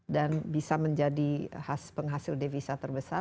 dan bisa menjadi penghasil devisa terbesar